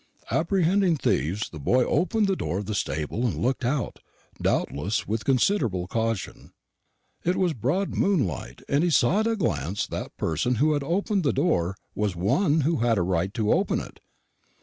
Apprehending thieves, the boy opened the door of the stable and looked out, doubtless with considerable caution. "It was broad moonlight, and he saw at a glance that the person who had opened the door was one who had a right to open it.